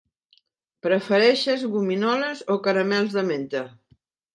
Prefereixes gominoles o caramels de menta?